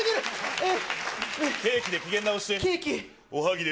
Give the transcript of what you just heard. えっ？